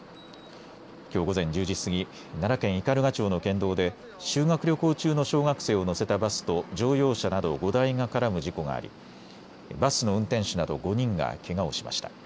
きょう午前１０時過ぎ、奈良県斑鳩町の県道で修学旅行中の小学生を乗せたバスと乗用車など５台が絡む事故がありバスの運転手など５人がけがをしました。